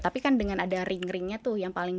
tapi kan dengan ada ring ringnya tuh yang paling